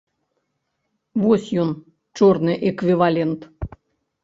Вось ён, чорны эквівалент.